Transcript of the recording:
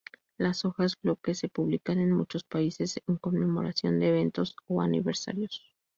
Los hojas bloques se publican en muchos países en conmemoración de eventos o aniversarios.